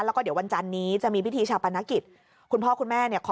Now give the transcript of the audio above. แล้วก็เดี๋ยววันจานนี้จะมีพิธีชาปรณกิจ